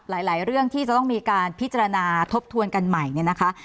หลายเรื่องที่จะต้องมีการพิจารณาทบทวนกันใหม่เนี่ยนะคะ